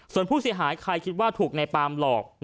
ส่วนผู้เสียหายใครคิดว่าถูกในปามหลอก